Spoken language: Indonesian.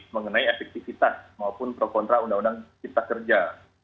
mengenai efektivitas maupun pro kontra undang undang cipta kerja